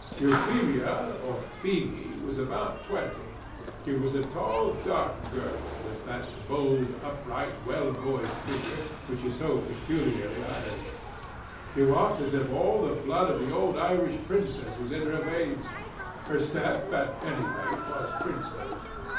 Euphemia, or Feemy, was about twenty; she was a tall, dark girl, with that bold, upright, well poised figure, which is so peculiarly Irish. She walked as if all the blood of the old Irish Princes was in her veins: her step, at any rate, was princely.